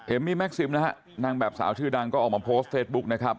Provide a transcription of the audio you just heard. มี่แม็กซิมนะฮะนางแบบสาวชื่อดังก็ออกมาโพสต์เฟซบุ๊คนะครับ